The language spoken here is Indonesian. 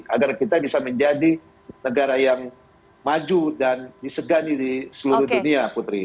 agar kita bisa menjadi negara yang maju dan disegani di seluruh dunia putri